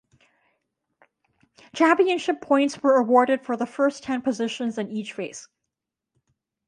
Championship points were awarded for the first ten positions in each race.